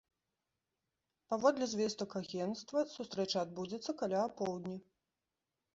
Паводле звестак агенцтва, сустрэча адбудзецца каля апоўдні.